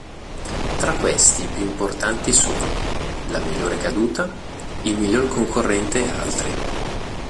Tra questi i più importanti sono: la migliore caduta, il miglior concorrente e altri.